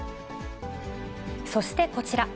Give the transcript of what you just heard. そしてこちら。